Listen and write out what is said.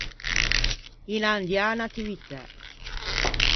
Inandiâ unn’attivitæ.